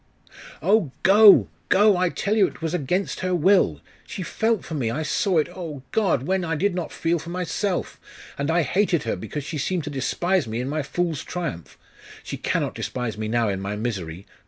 'Oh, go! go! I tell you it was against her will. She felt for me I saw it Oh, God! when I did not feel for myself! And I hated her, because she seemed to despise me in my fool's triumph! She cannot despise me now in my misery....